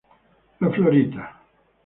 La Fiorita.